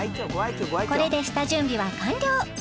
これで下準備は完了！